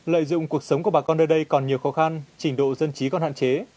lợi dụng cuộc sống của bà con nơi đây còn nhiều khó khăn trình độ dân trí còn hạn chế